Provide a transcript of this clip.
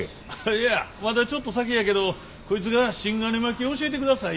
いやまだちょっと先やけどこいつが芯金巻き教えてください